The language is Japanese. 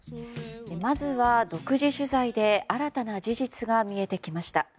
まずは、独自取材で新たな事実が見えてきました。